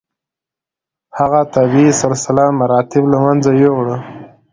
هغه طبیعي سلسله مراتب له منځه یووړه.